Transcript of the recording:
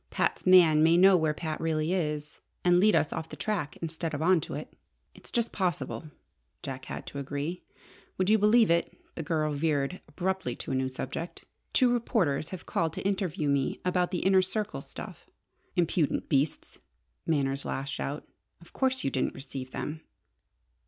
"Pat's man may know where Pat really is, and lead us off the track, instead of on to it." "It's just possible," Jack had to agree. "Would you believe it," the girl veered abruptly to a new subject, "two reporters have called to interview me about the Inner Circle stuff?" "Impudent beasts!" Manners lashed out. "Of course you didn't receive them?"